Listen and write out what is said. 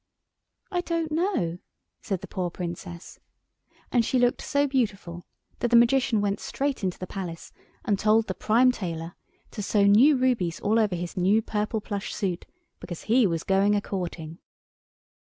"I don't know," said the poor Princess, and she looked so beautiful that the Magician went straight into the Palace and told the Prime Tailor to sew new rubies all over his new purple plush suit because he was going a courting.